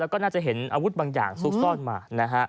แล้วก็น่าจะเห็นอาวุธบางอย่างซุกซ่อนมานะฮะ